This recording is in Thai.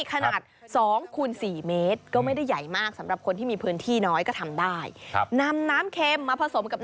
ขนาด๒คูณ๔เมตร